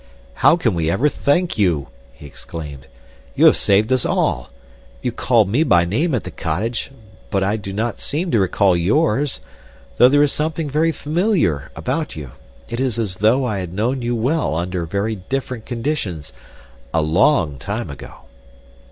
"How can we ever thank you?" he exclaimed. "You have saved us all. You called me by name at the cottage, but I do not seem to recall yours, though there is something very familiar about you. It is as though I had known you well under very different conditions a long time ago."